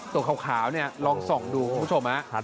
ตัวขาวนี่ลองส่องดูครับคุณผู้ชม